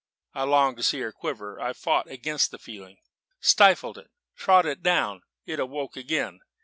I longed to see her quiver. I fought against the feeling, stifled it, trod it down: it awoke again.